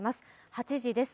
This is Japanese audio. ８時です。